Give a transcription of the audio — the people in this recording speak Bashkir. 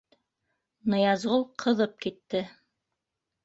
Ныязғол ҡыҙып китте: